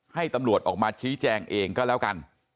ให้ตำรวจออกมาชี้แจงเองก็แล้วกัน